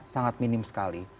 sangat minim sekali